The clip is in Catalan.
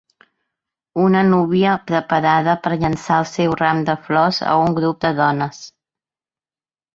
Una núvia preparada per llançar seu ram de flors a un grup de dones.